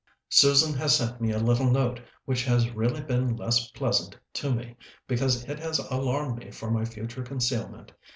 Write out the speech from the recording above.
Susan has sent me a little note which has really been less pleasant to me, because it has alarmed me for my future concealment.